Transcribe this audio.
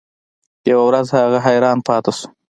یوه ورځ هغه حیران پاتې شو.